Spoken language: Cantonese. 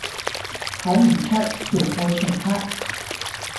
睇唔出，條褲全黑